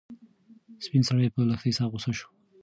سپین سرې په لښتې سخته غوسه شوه.